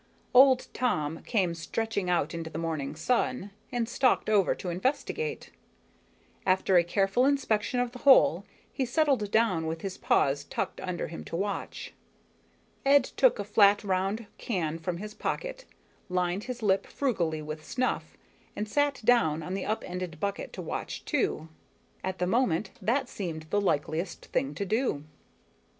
Old Tom came stretching out into the morning sun and stalked over to investigate. After a careful inspection of the hole he settled down with his paws tucked under him to watch. Ed took a flat round can from his pocket, lined his lip frugally with snuff, and sat down on the up ended bucket to watch too. At the moment, that seemed the likeliest thing to do.